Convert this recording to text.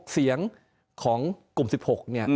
เสียงของกลุ่ม๑๖เนี่ย